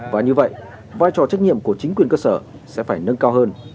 và như vậy vai trò trách nhiệm của chính quyền cơ sở sẽ phải nâng cao hơn